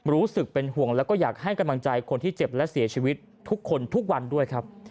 รู้สึกเป็นห่วงแล้วก็อยากให้กำลังใจคนที่เจ็บและเสียชีวิตทุกคนทุกวันด้วยครับ